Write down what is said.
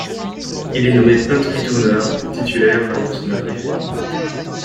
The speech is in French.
Il est nommé punt returner titulaire lors de son arrivée.